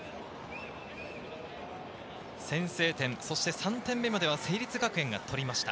先制点、そして３点目までは成立学園が取りました。